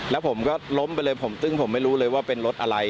แล้วผมก็ล้มไปเลยผมซึ่งผมไม่รู้เลยว่าเป็นรถอะไร